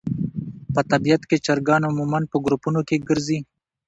په طبیعت کې چرګان عموماً په ګروپونو کې ګرځي.